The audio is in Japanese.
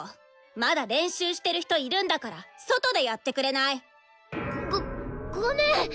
まだ練習してる人いるんだから外でやってくれない！？ごごめん。